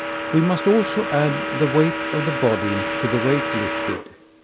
We must also add the weight of the body to the weight lifted.